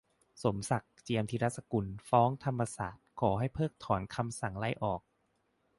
'สมศักดิ์ เจียมธีรสกุล' ฟ้องธรรมศาสตร์ ขอให้เพิกถอนคำสั่งไล่ออก